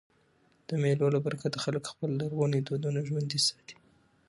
د مېلو له برکته خلک خپل لرغوني دودونه ژوندي ساتي.